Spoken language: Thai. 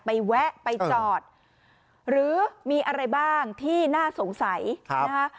แวะไปจอดหรือมีอะไรบ้างที่น่าสงสัยนะคะ